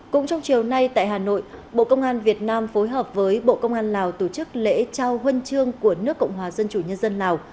cũng trong chiều nay tại hà nội bộ công an việt nam phối hợp với bộ công an lào tổ chức lễ trao huân chương của nước cộng hòa dân chủ nhân dân lào